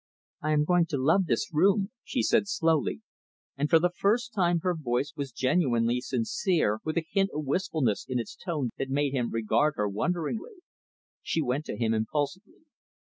"I am going to love this room," she said slowly; and, for the first time, her voice was genuinely sincere, with a hint of wistfulness in its tone that made him regard her wonderingly. She went to him impulsively.